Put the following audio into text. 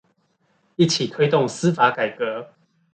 一起推動司法改革